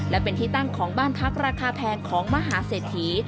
และเป็นที่ตั้งของบ้านพักราคาแพงของมหาเศรษฐี